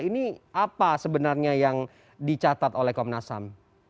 ini apa sebenarnya yang dicatat oleh komnas ham